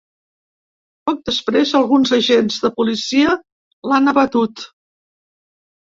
Poc després, alguns agents de policia l’han abatut.